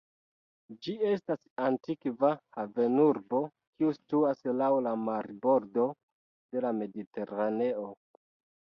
Ĝi estas antikva havenurbo kiu situas laŭ la marbordo de la Mediteraneo.